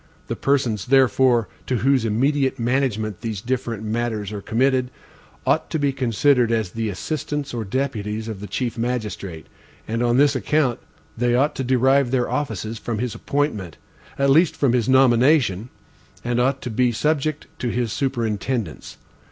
The persons, therefore, to whose immediate management these different matters are committed, ought to be considered as the assistants or deputies of the chief magistrate, and on this account, they ought to derive their offices from his appointment, at least from his nomination, and ought to be subject to his superintendence.